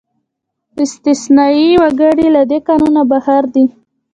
استثنايي وګړي له دې قانونه بهر دي.